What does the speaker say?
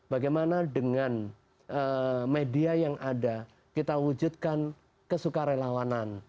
bagaimana dengan media yang ada kita wujudkan kesukarelawanan